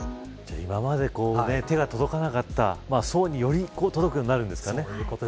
今まで手が届かなかった層により届くようになるんですかね。